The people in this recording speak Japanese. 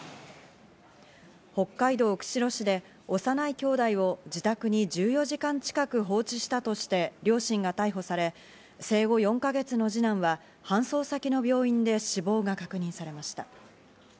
北海道釧路市で幼いきょうだいを自宅に１４時間近く放置したとして両親が逮捕され、生後４ヶ月の二男は搬送先の病院で死亡が確認されました。